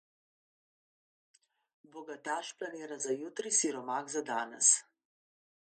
Bogataš planira za jutri, siromak za danes.